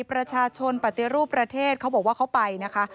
ปฏิรูปประเทศเขาบอกว่าเขาไปนะคะ